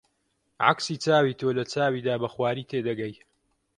عەکسی چاوی تۆ لە چاویدا بە خواری تێدەگەی